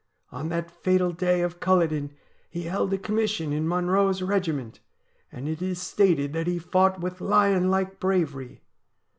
On that fatal day of Culloden he held a commission in Monro's regiment, and it is stated that he fought with lion like bravery.